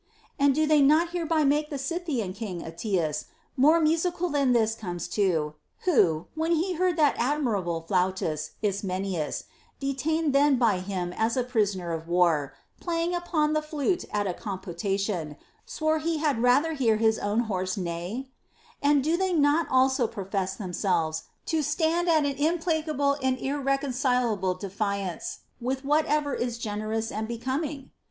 And do they not hereby make the Scythian king Ateas more musical than this comes to, who, when he heard that admirable flutist Ismenias, detained then by him as a prisoner of war, play * Pindar, Pyth. I. 25. „„.... 12 178 PLEASURE NOT ATTAINABLE ing upon the flute at a computation, swore he had rather hear his own horse neigh % And do they not also profess themselves to stand at an implacable and irreconcilable defiance with whatever is generous and becoming